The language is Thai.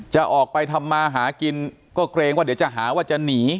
จะออกไปทำมาหากินก็เกรงว่าเดี๋ยวจะหาว่าจะหนี